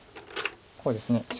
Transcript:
こうですね。